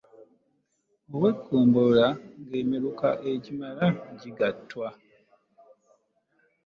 Oweggombolola ng’emiruka egimala gigattwa.